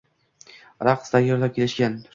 raqs tayyorlab kelishgan.